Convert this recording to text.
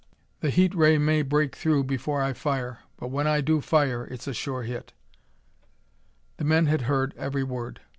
The heat ray may break through before I fire but when I do fire it's a sure hit." The men had heard every word.